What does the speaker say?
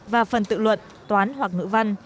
và phần tự luận toán hoặc ngữ văn